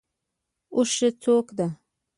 اوښ څوکه ده.